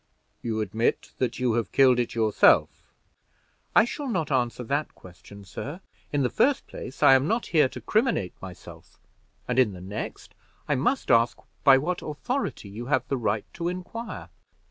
"You admit that you have killed it yourself." "I shall not answer that question, sir; in the first place, I am not here to criminate myself; and, in the next, I must know by what authority you have the right to inquire."